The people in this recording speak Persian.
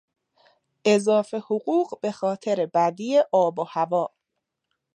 اضافه حقوق به خاطر بدی آب و هوا